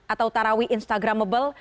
atau tarawih instagramable